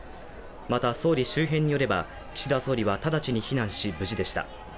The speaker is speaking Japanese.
また総理周辺によれば、岸田総理は直ちに避難し無事でした。